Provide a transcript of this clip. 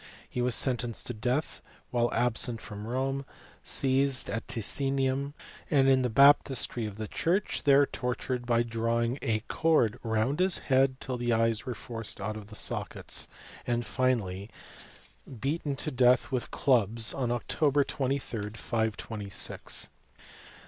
He was sentenced to death while absent from Rome, seized at Ticinum, and in the baptistery of the church there tortured by drawing a cord round his head till the eyes were forced out of the sockets, and finally beaten to 136 THE RISE OF LEARNING IN WESTERN EUROPE. death with clubs on Oct. 23, 526.